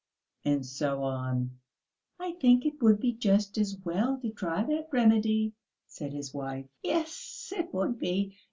and so on. "I think it would be just as well to try that remedy," said his wife. "Yes, it would be!